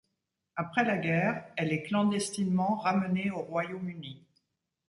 Après la guerre, elle est clandestinement ramenée au Royaume-Uni.